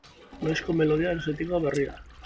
Noizko melodia exotiko berria?